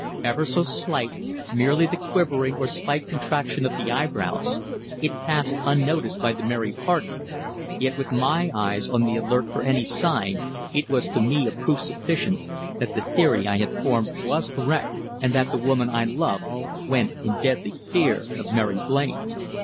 Ever so slight, merely the quivering or slight contraction of the eyebrows, it passed unnoticed by the merry party, yet with my eyes on the alert for any sign it was to me a proof sufficient that the theory I had formed was correct, and that the woman I loved went in deadly fear of Mary Blain.